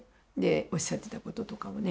おっしゃってたこととかをね。